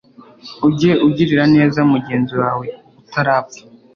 ujye ugirira neza mugenzi wawe utarapfa